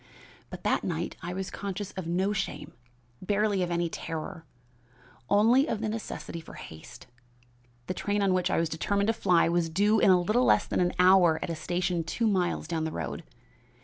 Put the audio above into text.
But that night I was conscious of no shame, barely of any terror, only of the necessity for haste. The train on which I was determined to fly was due in a little less than an hour at a station two miles down the road.